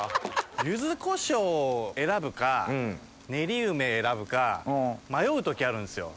柚子こしょうを選ぶか練り梅選ぶか迷う時あるんですよ